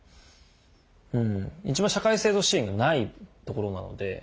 一番社会制度支援がないところなので。